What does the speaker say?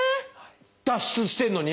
脱出してるのに？